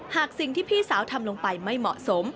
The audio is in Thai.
หากสิ่งที่พี่สาวทำลงไปไม่เหมาะสม